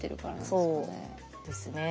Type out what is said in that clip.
そうですね。